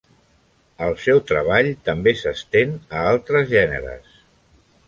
El seu treball també s'estén a altres gèneres.